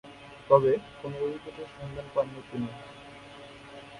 তবে, কোন উইকেটের সন্ধান পাননি তিনি।